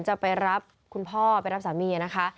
จะไปรับคุณพ่อไปรับสามีนะคะ